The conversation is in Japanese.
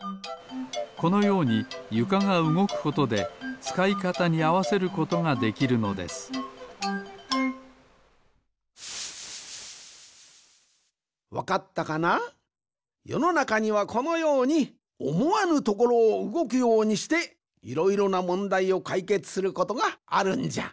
このようにゆかがうごくことでつかいかたにあわせることができるのですわかったかな？よのなかにはこのようにおもわぬところをうごくようにしていろいろなもんだいをかいけつすることがあるんじゃ。